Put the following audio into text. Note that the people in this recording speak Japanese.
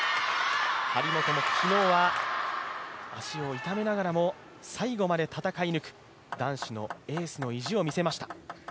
張本も昨日は足を痛めながらも最後まで戦い抜く男子のエースの意地を見せました。